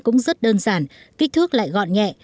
cũng rất đơn giản kích thước lại gọn nhẹ